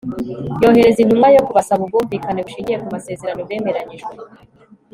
yohereza intumwa yo kubasaba ubwumvikane bushingiye ku masezerano bemeranyijwe